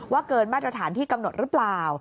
เกินมาตรฐานที่กำหนดหรือเปล่า